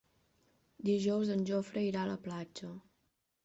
Dijous en Jofre irà a la platja.